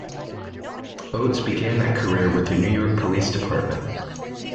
Oates began that career with the New York Police Department.